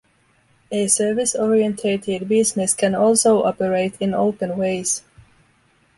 A service orientated business can also operate in open ways.